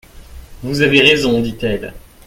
Vous avez raison, dit-elle.